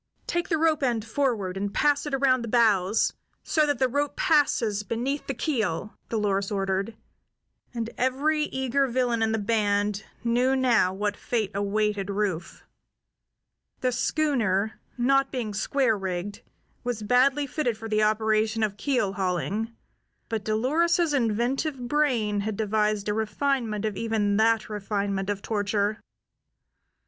"Take the rope end forward, and pass it around the bows, so that the rope passes beneath the keel," Dolores ordered, and every eager villain in the band knew now what fate awaited Rufe. The schooner, not being square rigged, was badly fitted for the operation of keel hauling; but Dolores's inventive brain had devised a refinement of even that refinement of torture.